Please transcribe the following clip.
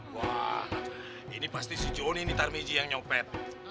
wah ini pasti si joni ntar meji yang nyopet